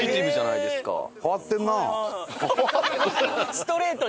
ストレートに。